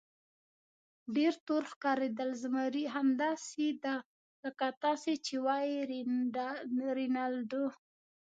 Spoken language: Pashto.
ډېر تور ښکارېدل، زمري: همداسې ده لکه تاسې چې وایئ رینالډو.